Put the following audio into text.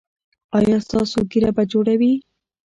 ایا ستاسو ږیره به جوړه وي؟